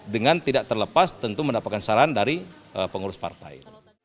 dengan tidak terlepas tentu mendapatkan saran dari pengurus partai